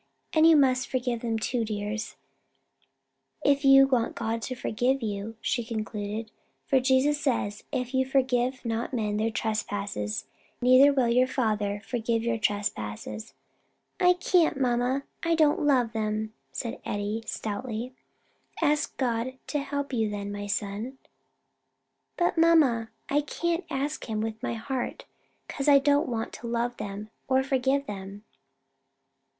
"And you must forgive them too, dears, if you want God to forgive you," she concluded; "for Jesus says, 'If you forgive not men their trespasses, neither will your Father forgive your trespasses.'" "I can't, mamma: I don't love them," said Eddie, stoutly. "Ask God to help you, then, my son." "But mamma, I can't ask him with my heart, 'cause I don't want to love them or forgive them."